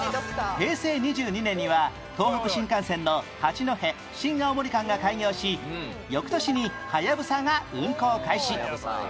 平成２２年には東北新幹線の八戸新青森間が開業し翌年にはやぶさが運行開始